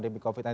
terima kasih pak